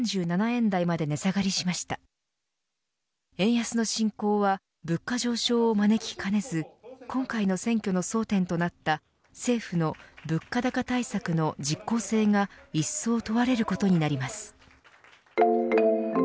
円安の進行は物価上昇を招きかねず今回の選挙の争点となった政府の物価高対策の実効性がいっそう問われることになります。